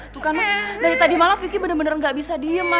tuh kan dari tadi malam vicky bener bener gak bisa diem ma